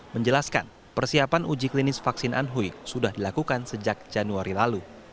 menjelaskan persiapan uji klinis vaksin anhui sudah dilakukan sejak januari lalu